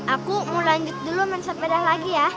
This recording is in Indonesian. aku mau lanjut dulu main sepeda lagi ya